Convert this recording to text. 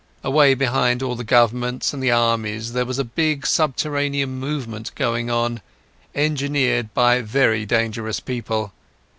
Away behind all the Governments and the armies there was a big subterranean movement going on, engineered by very dangerous people.